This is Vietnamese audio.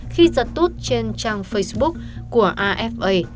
khi giật tút trên trang facebook của rfa